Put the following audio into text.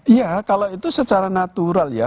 iya kalau itu secara natural ya